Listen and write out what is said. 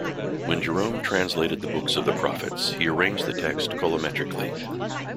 When Jerome translated the books of the Prophets, he arranged the text colometrically.